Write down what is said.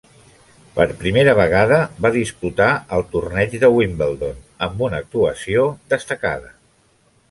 Per primera vegada va disputar el torneig de Wimbledon amb una actuació destacada.